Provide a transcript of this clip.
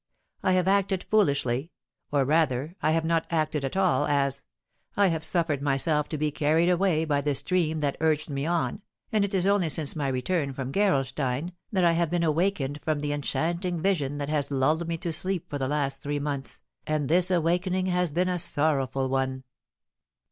I have acted foolishly, or, rather, I have not acted at all as I have suffered myself to be carried away by the stream that urged me on, and it is only since my return from Gerolstein that I have been awakened from the enchanting vision that has lulled me to sleep for the last three months, and this awaking has been a sorrowful one.